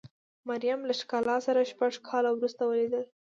مریم له ښکلا سره شپږ کاله وروسته ولیدل.